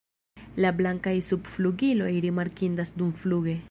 La blankaj subflugiloj rimarkindas dumfluge.